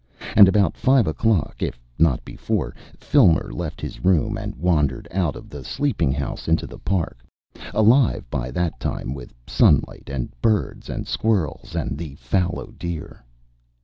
And about five o'clock, if not before, Filmer left his room and wandered out of the sleeping house into the park, alive by that time with sunlight and birds and squirrels and the fallow deer.